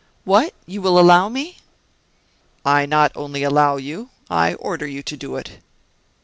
"What! you will allow me?" "I not only allow you, I order you to do it.